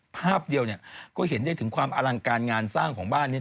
ภาพเดียวเนี่ยก็เห็นได้ถึงความอลังการงานสร้างของบ้านนี้